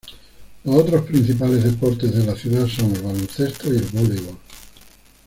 Los otros principales deportes de la ciudad son el baloncesto y el voleibol.